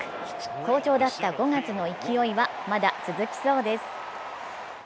好調だった５月の勢いはまだ続きそうです。